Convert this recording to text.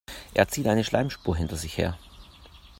Er zieht eine Schleimspur hinter sich her.